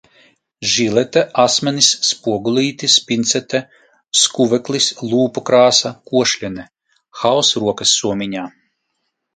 Žilete, asmenis, spogulītis, pincete, skuveklis, lūpukrāsa, košļene - haoss rokassomiņā.